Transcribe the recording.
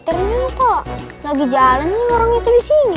ternyata lagi jalan nih orang itu disini